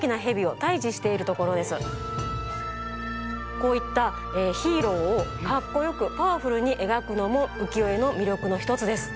こういったヒーローをかっこよくパワフルにえがくのもうきよえのみりょくのひとつです。